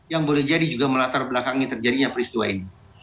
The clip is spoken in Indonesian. yang boleh jadi juga melatar belakangi terjadinya peristiwa ini